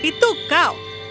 oh itu kau